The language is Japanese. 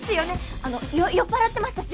あの酔っ払ってましたし。